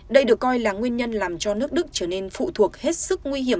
đây được coi là nguyên nhân làm cho nước đức trở nên phụ thuộc hết sức nguy hiểm